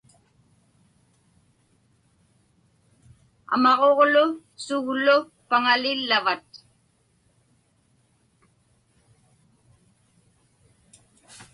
Amaġuġlu suglu paŋalillvat?